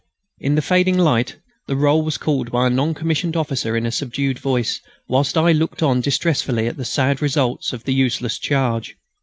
In the fading light the roll was called by a non commissioned officer in a subdued voice, whilst I looked on distressfully at the sad results of the useless charge.